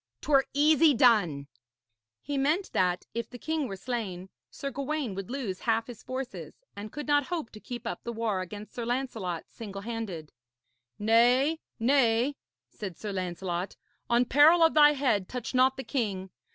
'Twere easy done.' He meant that, if the king were slain, Sir Gawaine would lose half his forces, and could not hope to keep up the war against Sir Lancelot singlehanded. 'Nay, nay,' said Sir Lancelot, 'on peril of thy head touch not the king.